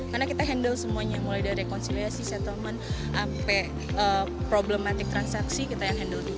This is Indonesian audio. karena kita handle semuanya mulai dari re consiliasi settlement sampai problematic transaksi kita yang handle juga